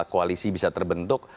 koalisi bisa terbentuk